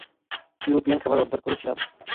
European খাবার order করেছিলাম।